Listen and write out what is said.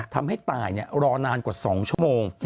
ทำให้ตายรอนานกว่า๒ชั่วโมง